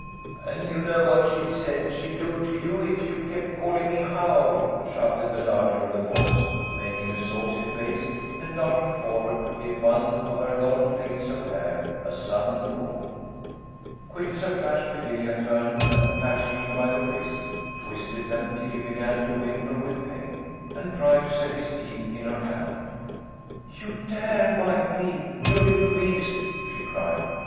"And you know what she said she'd do to you if you kept calling me Howl," shouted the larger of the boys, making a saucy face and darting forward to give one of her long plaits of hair a sudden pull. Quick as a flash, Fidelia turned, and catching him by the wrists, twisted them till he began to whimper with pain, and tried to set his teeth in her hand. "You dare bite me, you little beast!" she cried.